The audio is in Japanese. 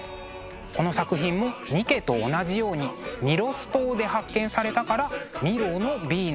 この作品も「ニケ」と同じようにミロス島で発見されたから「ミロのヴィーナス」なんですね。